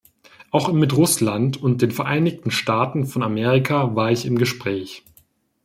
Auch mit Russland und den Vereinigten Staaten von Amerika war ich im Gespräch.